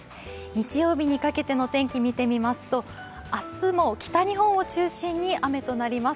日曜日にかけての天気を見てみますと明日も北日本を中心に雨となります。